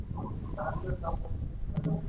لتمس یو طبیعي رنګ دی.